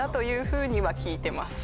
ふうには聞いてます。